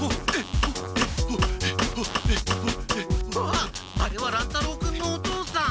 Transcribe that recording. あっあれは乱太郎君のお父さん！